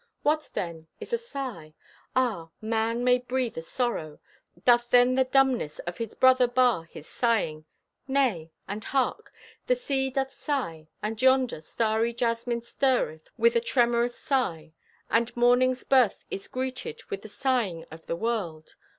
"What then is a sigh? Ah, man may breathe a sorrow. Doth then the dumbness of his brother bar his sighing? Nay—and hark! The sea doth sigh, and yonder starry jasmine stirreth with a tremorous sigh; and morning's birth is greeted with the sighing of the world.